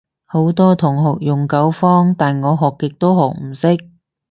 好多同學用九方，但我學極都學唔識